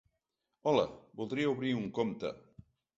Hola, voldria obrir un compte.